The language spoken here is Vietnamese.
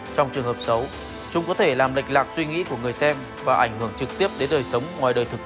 trong trường hợp xấu chúng có thể làm lệch lạc suy nghĩ của người xem và ảnh hưởng trực tiếp đến đời sống ngoài đời thực tế